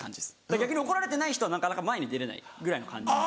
逆に怒られてない人はなかなか前に出れないぐらいの感じ。